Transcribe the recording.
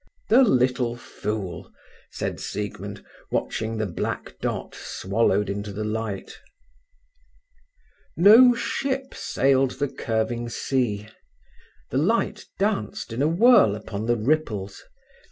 "The little fool!" said Siegmund, watching the black dot swallowed into the light. No ship sailed the curving sea. The light danced in a whirl upon the ripples.